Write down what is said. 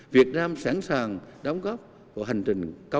việt nam sẵn sàng đóng góp vào hành trình cao cả đó